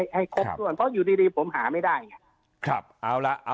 ใช้ช่องทางของสภา